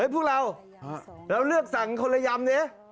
พวกเราเราเลือกสั่งคนละยำนี่